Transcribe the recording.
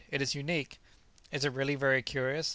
it is unique!" "Is it really very curious?"